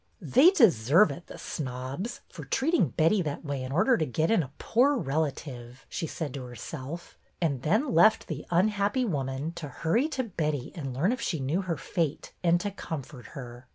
'' They deserve it, the snobs, for treating Betty that way in order to get in a poor relative," she said to herself, and then left the unhappy woman to hurry to Betty and learn if she knew her fate, and to comfort her.